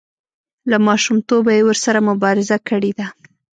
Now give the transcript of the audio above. له ماشومتوبه یې ورسره مبارزه کړې ده.